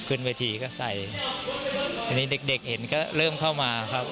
ขึ้นเวทีก็ใส่อันนี้เด็กเด็กเห็นก็เริ่มเข้ามาครับ